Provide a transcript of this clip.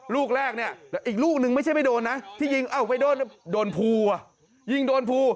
ลูกแรกเนี่ยอีกลูกนึงไม่ใช่ไม่โดนนะที่ยิงอ้าวไปโดนภูวะยิงโดนภู